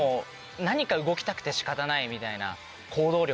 何か動きたくて仕方ないみたいな。